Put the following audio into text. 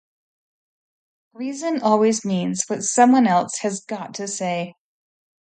Reason always means what someone else has got to say.